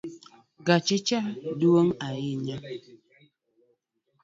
Gache cha dwong ahinya.